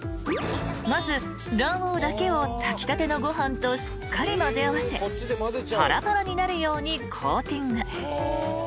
［まず卵黄だけを炊きたてのご飯としっかり混ぜ合わせパラパラになるようにコーティング］